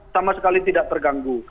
sama sekali tidak terganggu